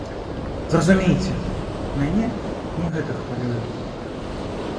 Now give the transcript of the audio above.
Зразумейце, мяне не гэта хвалюе.